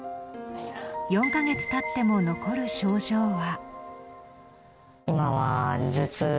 ４か月経っても残る症状は。